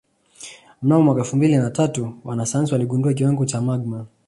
Mnamo mwaka elfu mbili na tatu wanasayansi waligundua kiwango cha magma